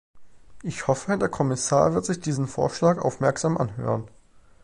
Ich hoffe, der Kommissar wird sich diesen Vorschlag aufmerksam anhören.